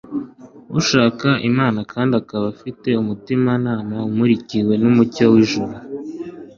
ushaka Imana kandi akaba afite umutimanama umurikiwe n'umucyo w'ijuru.